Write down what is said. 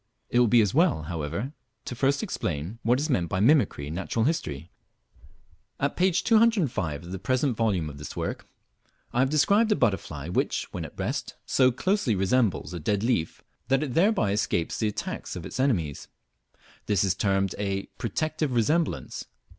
It will be as well, however, first to explain what is meant by mimicry in natural history. At page 205 of the first volume of this work, I have described a butterfly which, when at rest, so closely resembles a dead leaf, that it thereby escape the attacks of its enemies. This is termed a "protective resemblance."